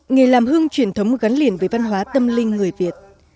nghề làm hương truyền thống gắn liền với văn hóa tâm linh người việt